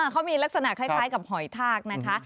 เขามีลักษณะคล้ายกับหอยทากนะคะ